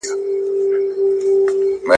• بې ډوډۍ ښه، بې کوره نه.